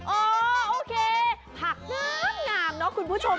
โอเคผักงามเนอะคุณผู้ชม